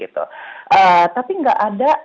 tapi tidak ada